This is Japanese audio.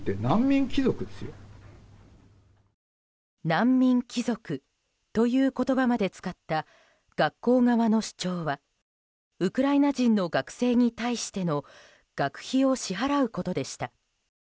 難民貴族という言葉まで使った学校側の主張はウクライナ人の学生に対しての学費を支払うことでした。